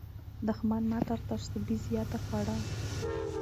دښمن ماته تر سوبې زیاته خوړه.